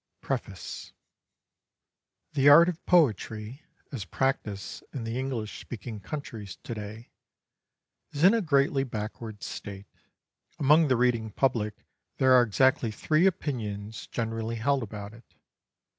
PREFACE The art of poetry as practised in the English speaking countries to day, is in a greatly backward state. Among the reading public there are exactly three opinions generally held about it.